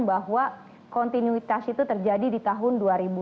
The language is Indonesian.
bahwa kontinuitas itu terjadi di tahun dua ribu dua